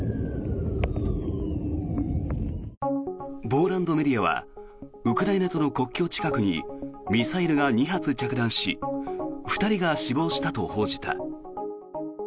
ポーランドメディアはウクライナとの国境近くにミサイルが２発着弾し２人が死亡したと報じた。